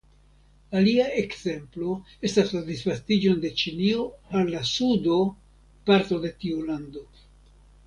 Alia ekzemplo estas la disvastiĝon de Ĉinio al la sudo parto de tiu lando.